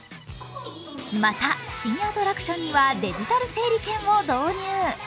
また、新アトラクションにはデジタル整理券を導入。